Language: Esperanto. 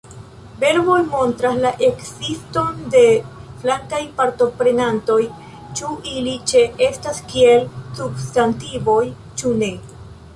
Verboj montras la ekziston de flankaj partoprenantoj, ĉu ili ĉeestas kiel substantivoj, ĉu ne.